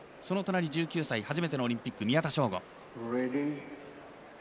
その隣、１９歳初めてのオリンピック、宮田将吾。